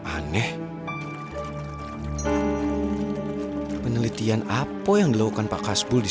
maka kamu tak tahu jauh atau bahaya apa uang yang lebih banyak di dunia